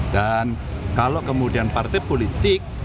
dan kalau kemudian partai politik